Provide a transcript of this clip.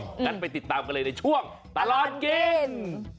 งั้นไปติดตามกันเลยในช่วงตลอดกิน